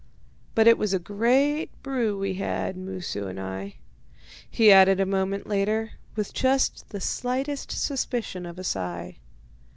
"But it was a great brew we had, Moosu and I," he added a moment later, with just the slightest suspicion of a sigh.